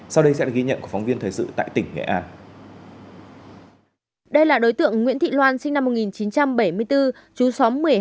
sinh năm một nghìn chín trăm bảy mươi bốn chú xóm một mươi hai